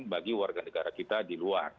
bagi warga negara kita di luar